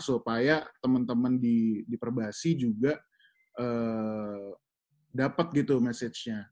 supaya temen temen di perbahasi juga dapet gitu message nya